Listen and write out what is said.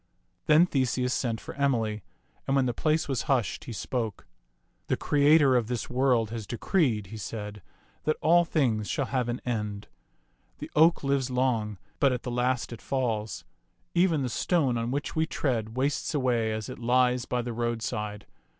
Then Theseus sent for Emily, and when the place was hushed, he spoke. " The Creator of this world has decreed," he said, " that all things shall have an end. The oak lives long, but at the last it falls. Even the stone on which we tread wastes away as it lies by the roadside.